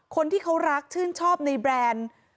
คนที่เขารักชื่นชอบในแบรนด์